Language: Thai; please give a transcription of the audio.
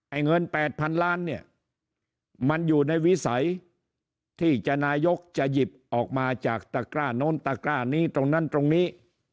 เงิน๘๐๐๐ล้านเนี่ยมันอยู่ในวิสัยที่จะนายกจะหยิบออกมาจากตะกร้าโน้นตะกร้านี้ตรงนั้นตรงนี้